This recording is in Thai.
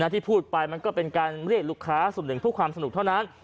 ที่พูดไปมันก็เป็นการเรียกลูกค้าส่วนหนึ่งเพื่อความสนุกเท่านั้น